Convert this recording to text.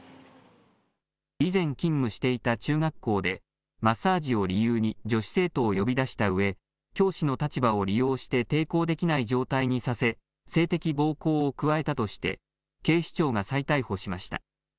以前勤務していた中学校でマッサージを理由に女子生徒を呼び出したうえ教師の立場を利用して抵抗できない状態にさせ性的暴行を加えたとして警視庁が再逮捕しました。